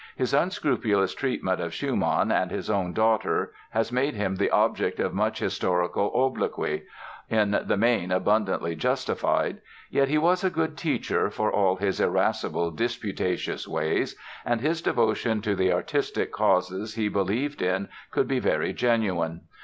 His unscrupulous treatment of Schumann and his own daughter has made him the object of much historical obloquy, in the main abundantly justified. Yet he was a good teacher, for all his irascible, disputatious ways and his devotion to the artistic causes he believed in could be very genuine.